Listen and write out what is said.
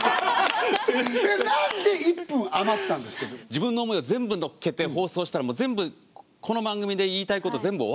自分の思いを全部のっけて放送したらもう全部この番組で言いたいこと全部終わったと。